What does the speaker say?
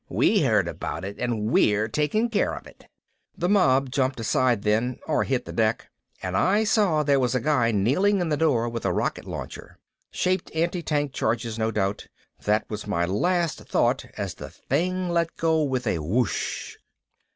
We heard about it and we're taking care of it!" The mob jumped aside then or hit the deck and I saw there was a guy kneeling in the door with a rocket launcher. Shaped anti tank charges, no doubt. That was my last thought as the thing let go with a "whoosh."